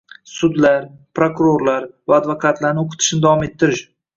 Sudlar, prokurorlar va advokatlarni o'qitishni davom ettirish